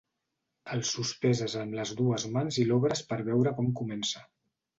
El sospeses amb les dues mans i l'obres per veure com comença.